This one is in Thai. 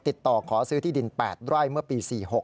ติดต่อขอซื้อที่ดิน๘ไร่เมื่อปี๔๖